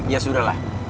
ya sudah lah